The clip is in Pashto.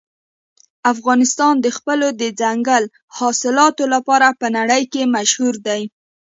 افغانستان د خپلو دځنګل حاصلاتو لپاره په نړۍ کې مشهور دی.